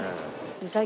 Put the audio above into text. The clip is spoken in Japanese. うさぎ。